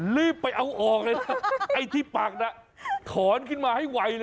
รีบไปเอาออกเลยนะไอ้ที่ปักน่ะถอนขึ้นมาให้ไวเลย